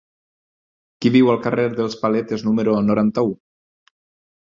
Qui viu al carrer dels Paletes número noranta-u?